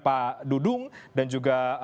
pak dudung dan juga